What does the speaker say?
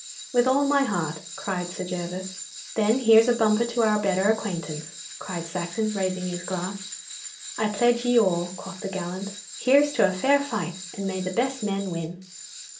'With all my heart,' cried Sir Gervas. 'Then here's a bumper to our better acquaintance,' cried Saxon, raising his glass. 'I pledge ye all,' quoth the gallant. 'Here's to a fair fight, and may the best men win.